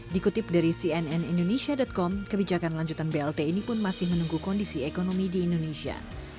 dikutip dari cnn indonesia com kebijakan lanjutan blt ini pun masih menunggu kondisi ekonomi di indonesia